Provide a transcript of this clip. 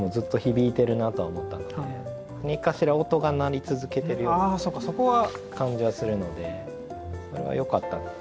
何かしら音が鳴り続けてるような感じはするのでそれはよかった。